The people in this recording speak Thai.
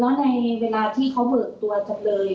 แล้วในเวลาที่เขาเบิกตัวจำเลย